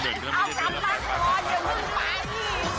โอ้โฮไม่ให้โอกาสเขาเล่นหน่อยเหรอ